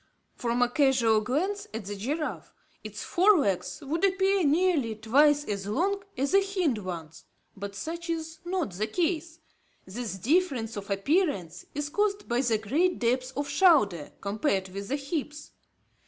From a casual glance at the giraffe, its fore legs would appear nearly twice as long as the hind ones, but such is not the case. This difference of appearance is caused by the great depth of shoulder, compared with the hips.